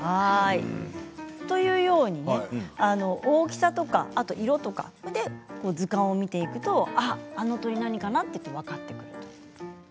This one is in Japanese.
というように大きさや色あと図鑑を見ていくとあの鳥何かなと分かってくる。